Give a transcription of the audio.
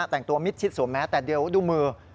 แต่งตัวมิดชิดสวมแม้แต่เดี๋ยวดูมือ